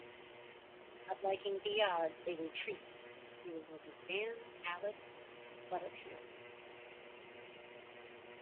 Not liking the odds, they retreat, leaving only Dan, Alex and Butterfield.